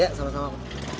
ya sama sama pak